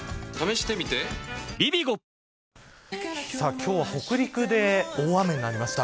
今日は北陸で大雨になりました。